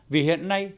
vì hiện nay